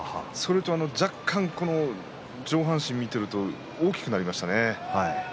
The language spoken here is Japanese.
若干、上半身を見ていると大きくなりましたよね。